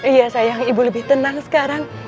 iya sayang ibu lebih tenang sekarang